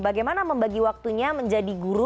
bagaimana membagi waktunya menjadi guru